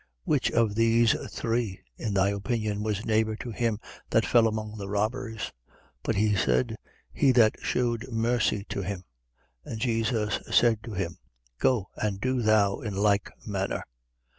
10:36. Which of these three, in thy opinion, was neighbour to him that fell among the robbers? 10:37. But he said: He that shewed mercy to him. And Jesus said to him: Go, and do thou in like manner.